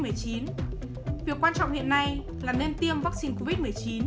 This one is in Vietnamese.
việc quan trọng hiện nay là nên tiêm vắc xin covid một mươi chín